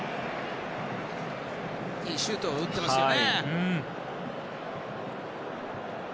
いいシュートを打ってますよね。